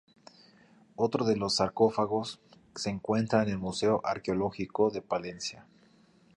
Otro de los sarcófagos se encuentra en el Museo Arqueológico de Palencia.